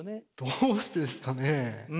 どうしてですかね？